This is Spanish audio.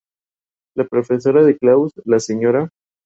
Coprodujo "Cabezas cortadas", de Glauber Rocha.